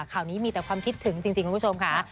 ข่าวนี้มีแต่ความคิดถึงจริงคุณผู้ชมค่ะ